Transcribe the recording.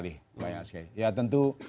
lebih banyak sekali ya tentu